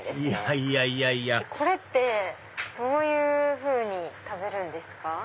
いやいやいやいやこれってどういうふうに食べるんですか？